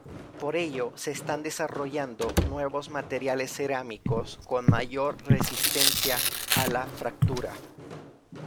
Por ello se están desarrollando nuevos materiales cerámicos con mayor resistencia a la fractura.